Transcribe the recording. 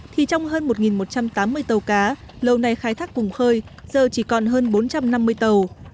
thì trong hơn một một trăm tám mươi tàu cá lâu nay khai thác vùng khơi giờ chỉ còn hơn bốn trăm năm mươi tàu